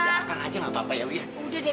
kamu akan mencetak hati yang recommendation